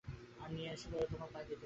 আর নিয়ে এসে তোমার পায়ে দিত।